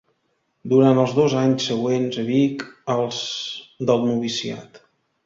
Durant els dos anys següents a Vic els del noviciat.